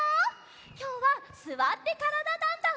きょうは「すわってからだ☆ダンダン」！